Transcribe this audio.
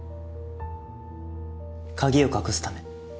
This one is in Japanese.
鍵を隠すため。